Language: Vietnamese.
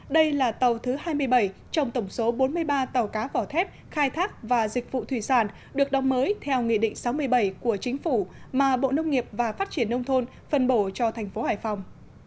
đây là tàu thứ hai mươi bảy trong tổng số bốn mươi ba tàu cá vỏ thép khai thác và dịch vụ thủy sản được đóng mới theo nghị định sáu mươi bảy của chính phủ mà bộ nông nghiệp và phát triển nông thôn phân bổ cho thành phố hải phòng